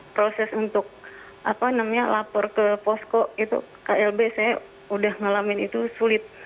proses untuk lapor ke posko itu klb saya udah ngalamin itu sulit